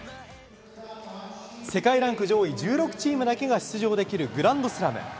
世界ランク上位１６チームだけが出場できるグランドスラム。